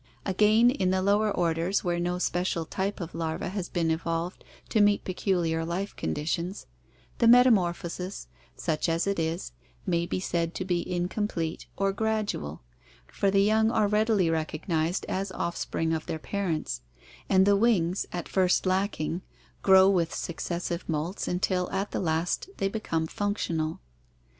Again, in the lower orders where no special type of larva has been evolved to meet peculiar life conditions, the metamor phosis, such as it is, may be said to be incomplete or gradual, for the young are readily recognized as offspring of their parents; and the wings, at first lacking, grow with successive molts until at the last they become functional.